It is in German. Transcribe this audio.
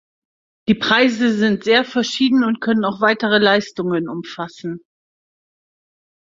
Die Preise sind sehr verschieden und können auch weitere Leistungen umfassen.